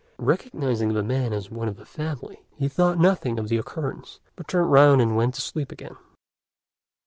Recognizing the man as one of the family, he thought nothing of the occurrence, but turned round and went to sleep again.